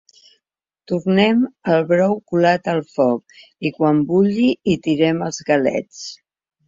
Tornem el brou colat al foc i quan bulli hi tirem els galets.